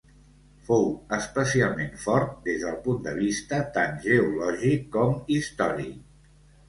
Fou especialment fort des del punt de vista tant geològic com històric.